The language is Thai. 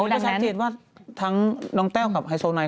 ก็ชัดเจนว่าทั้งน้องแต้วกับไฮโซไนท